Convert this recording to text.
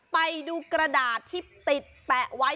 ไปดูกระดาษที่ติดแปะไว้